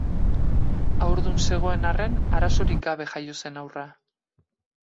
Haurdun zegoen arren arazorik jabe jaio zen haurra.